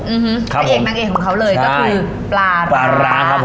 เอกนางเอกของเขาเลยก็คือปลาร้า